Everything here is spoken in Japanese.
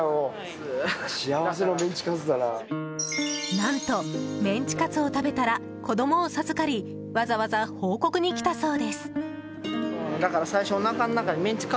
何とメンチカツを食べたら子供を授かりわざわざ報告に来たそうです。